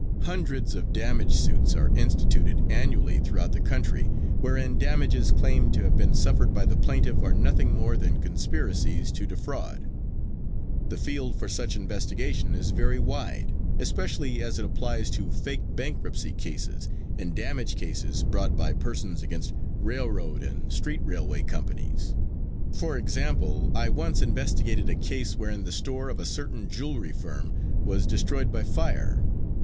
Hundreds of damage suits are instituted annually throughout the country wherein damages claimed to have been suffered by the plaintiff are nothing more than conspiracies to defraud. The field for such investigation is very wide, especially as it applies to fake bankruptcy cases and damage cases brought by persons against railroad and street railway companies. For example, I once investigated a case wherein the store of a certain jewelry firm was destroyed by fire.